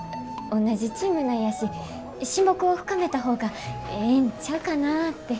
おんなじチームなんやし親睦を深めた方がええんちゃうかなって。